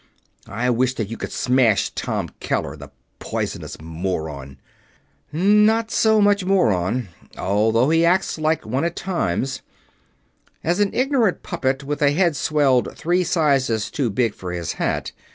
I wish that you could smash Tom Keller, the poisonous moron!" "Not so much moron although he acts like one at times as an ignorant puppet with a head swelled three sizes too big for his hat.